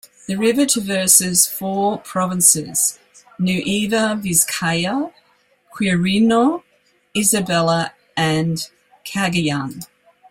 The river traverses four provinces: Nueva Vizcaya, Quirino, Isabela and Cagayan.